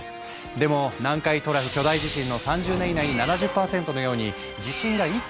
でも南海トラフ巨大地震の「３０年以内に７０％」のように地震がいつ